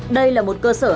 đây là một cơ chế hoạt động